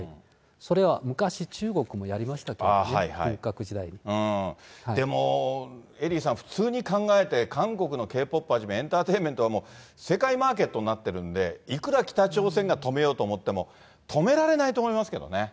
それは昔、中国もやりましたけどね、でもエリーさん、普通に考えて韓国のＫ−ＰＯＰはじめ、エンターテインメントは世界マーケットになってるんで、いくら北朝鮮が止めようと思っても、止められないと思いますけどね。